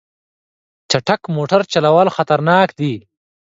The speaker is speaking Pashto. چټک موټر چلول خطرناک دي.